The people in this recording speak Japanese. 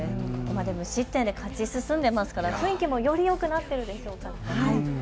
無失点で勝ち進んでいますから雰囲気もよりよくなっていますね。